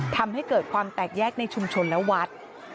ทำให้เกิดความแตกแยกในชุมชนและวัด